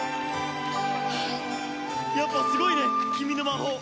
やっぱすごいね君の魔法。